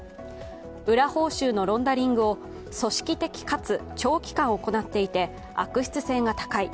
裏報酬のロンダリングを組織的かつ長期間行っていて悪質性が高い。